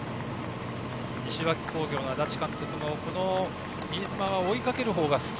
西脇工業の足立監督もこの新妻は追いかける方が好き。